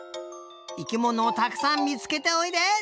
生きものをたくさんみつけておいで！